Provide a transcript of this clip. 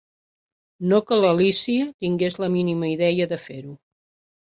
No que l'Alícia tingués la mínima idea de fer-ho.